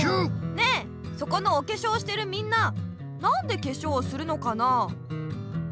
ねえそこのおけしょうしてるみんななんでけしょうをするのかな？